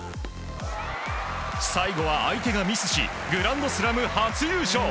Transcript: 最後は相手がミスしグランドスラム初優勝！